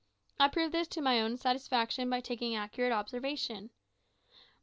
I proved this to my own satisfaction by taking accurate observation.